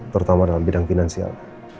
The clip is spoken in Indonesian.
terutama dalam bidang finansial